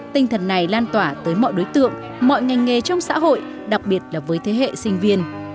tinh thần này lan tỏa tới mọi đối tượng mọi ngành nghề trong xã hội đặc biệt là với thế hệ sinh viên